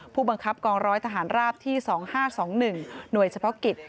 ผู้บังคับกองร้อยทหารราบที่๒๕๒๑หน่วยเฉพาะกิจ